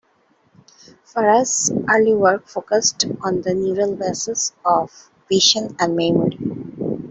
Farah's early work focused on the neural bases of vision and memory.